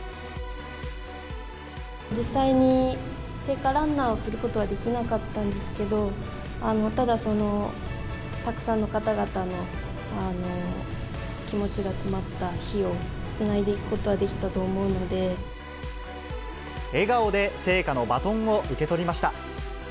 実際に聖火ランナーをすることはできなかったんですけど、ただ、たくさんの方々の気持ちが詰まった火をつないでいくことはできた笑顔で聖火のバトンを受け取りました。